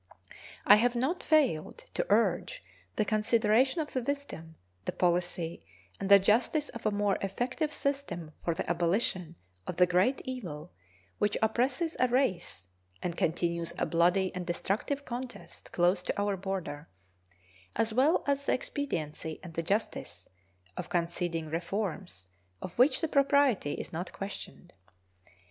I have not failed to urge the consideration of the wisdom, the policy, and the justice of a more effective system for the abolition of the great evil which oppresses a race and continues a bloody and destructive contest close to our border, as well as the expediency and the justice of conceding reforms of which the propriety is not questioned.